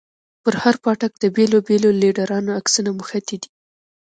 پر هر پاټک د بېلو بېلو ليډرانو عکسونه مښتي دي.